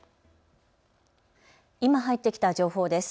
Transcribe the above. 今入ってきた情報です。